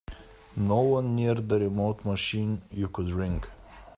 No one near the remote machine you could ring?